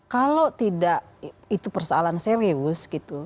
kalau tidak itu persoalan serius gitu